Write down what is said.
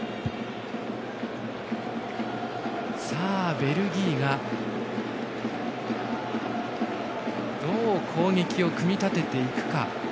ベルギーはどう攻撃を組み立てていくか。